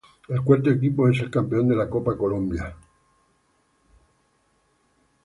El cuarto equipo es el campeón de la Copa Colombia.